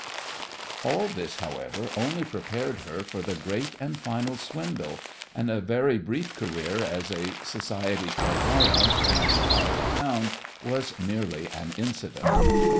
CHADWICK] All this, however, only prepared her for the great and final swindle, and a very brief career as a "society clairvoyante" in an Ohio town was merely an incident.